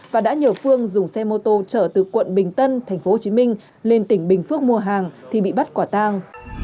và đã nhờ phương dùng xe mô tô trở từ quận bình tân tp hcm lên tỉnh bình phước mua hàng thì bị bắt quả tang